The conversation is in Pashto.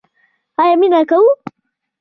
ایا مینه کوئ؟